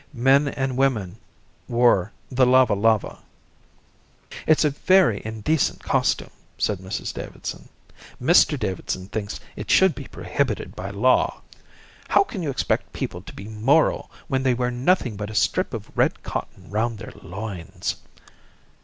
Men and women wore the lava lava. "It's a very indecent costume," said Mrs Davidson. "Mr Davidson thinks it should be prohibited by law. How can you expect people to be moral when they wear nothing but a strip of red cotton round their loins?"